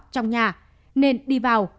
trong nhà nên đi vào